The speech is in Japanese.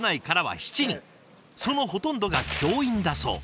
そのほとんどが教員だそう。